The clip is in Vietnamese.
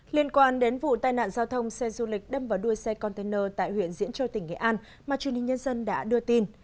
liên quan đến vụ tai nạn giao thông xe du lịch đâm vào đuôi xe container tại huyện diễn châu tỉnh nghệ an mà truyền hình nhân dân đã đưa tin